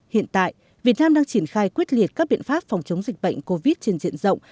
hiện tại việt nam đang triển khai quyết liệt các biện pháp phòng chống dịch bệnh covid trên diện rộng